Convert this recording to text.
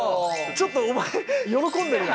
ちょっとお前喜んでるわ。